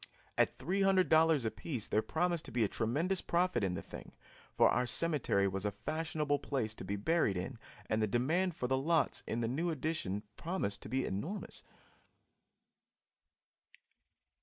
At $300 apiece there promised to be a tremendous profit in the thing, for our cemetery was a fashionable place to be buried in and the demand for the lots in the new addition promised to be enormous.